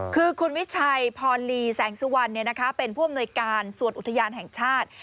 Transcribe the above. คือคุณวิชัยพรลีแสงสุวรรณเป็นผู้อำนวยการส่วนอุทยานแห่งชาติ